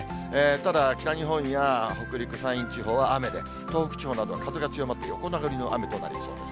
ただ北日本や北陸、山陰地方は雨で、東北地方などは風が強まって、横殴りの雨となりそうです。